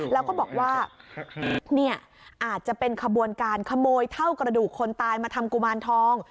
แล้วก็บอกว่าเนี่ยอาจจะเป็นขบวนการขโมยเท่ากระดูกคนตายมาทำกุมารทอง